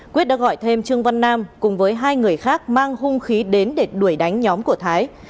quyết đã gọi thêm trương văn nam cùng với hai người khác mang hung khí đến để đuổi đánh nhóm của thái